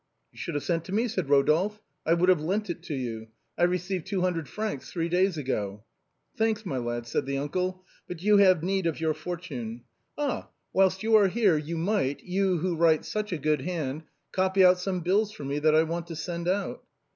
" You should have sent to me," said Rodolphe. " I would have lent it you, I received two hundred francs three days ngo." 100 THE BOHEMIANS OF THE LATIN QUARTER. " Thanks, my lad," said the uncle ;" but you have need of your fortune. Ah ! whilst you are here, you might, you who write such a good hand, copy out some bills for me that I want to send out."